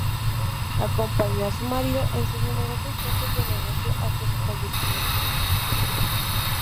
Acompañó a su marido en sus numerosos viajes de negoció hasta su fallecimiento.